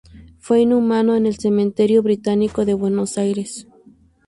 Fue inhumado en el Cementerio Británico de Buenos Aires.